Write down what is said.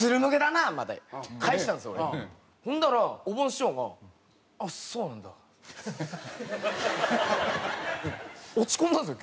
ほんだらおぼん師匠が「あっそうなんだ」。落ち込んだんですよ